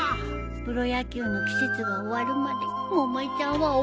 プロ野球の季節が終わるまで百恵ちゃんはお預けだろうね。